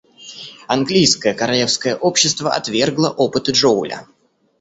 Английское Королевское общество отвергло опыты Джоуля.